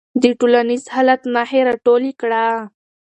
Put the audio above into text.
د ټولنیز حالت نښې راټولې کړه.